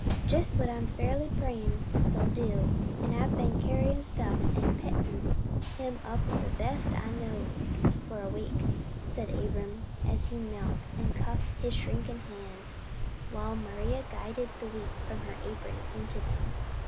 "Jest what I'm fairly prayin' they'll do, an' I been carryin' stuff an' pettin' him up best I knowed for a week," said Abram, as he knelt, and cupped his shrunken hands, while Maria guided the wheat from her apron into them.